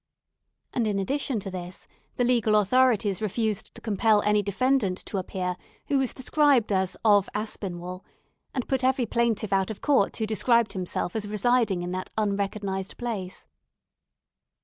And, in addition to this, the legal authorities refused to compel any defendant to appear who was described as of Aspinwall, and put every plaintiff out of court who described himself as residing in that unrecognised place.